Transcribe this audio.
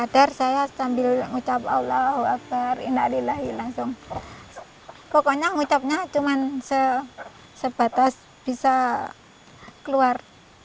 dan sebatas bisa keluar